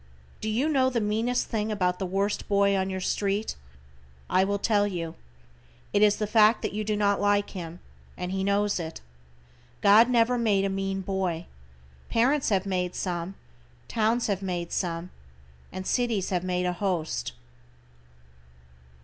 Do you know the meanest thing about the worst boy on your street? I will tell you. It is the fact that you do not like him, and he knows it. God never made a mean boy. Parents have made some, towns have made some, and cities have made a host.